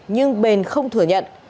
nhưng bền không thừa nhận